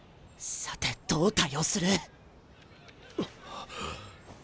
さてどう対応する？